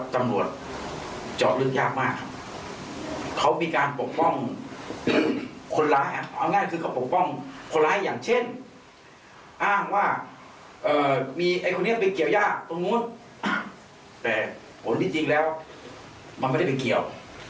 แต่ผลที่จริงแล้วมันไม่ได้เป็นเกี่ยว